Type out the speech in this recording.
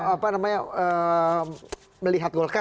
apa namanya melihat golkar